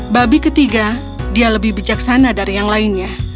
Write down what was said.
babi ketiga dia lebih bijaksana dari yang lainnya